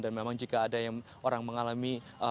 dan memang jika ada yang orang mengalami penyakit yang tersebar